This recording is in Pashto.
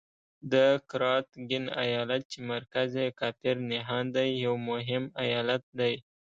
د قراتګین ایالت چې مرکز یې کافر نهان دی یو مهم ایالت دی.